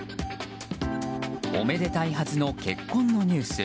おめでたいはずの結婚のニュース。